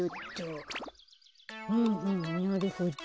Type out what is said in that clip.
ふむふむなるほど。